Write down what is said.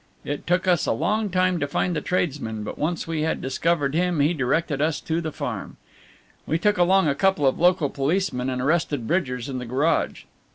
It took us a long time to find the tradesman, but once we had discovered him he directed us to the farm. We took along a couple of local policemen and arrested Bridgers in the garage."